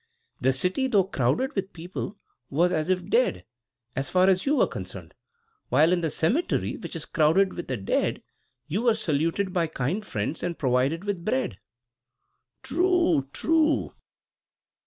The city, though crowded with people, was as if dead, as far as you were concerned; while, in the cemetery, which is crowded with the dead, you were saluted by kind friends and provided with bread." "True, true!"